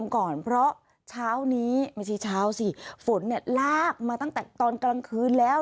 ไม่ใช่เช้าสิฝนเนี่ยลากมาตั้งแต่ตอนกลางคืนแล้ว